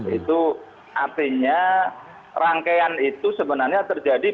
itu artinya rangkaian itu sebenarnya terjadi pada hari ini